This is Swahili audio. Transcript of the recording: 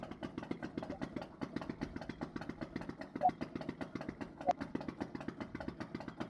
kabla ya kuwasilisha ripoti ya kwa marais wa bukinafaso chad